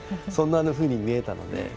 そんなふうに見えたので。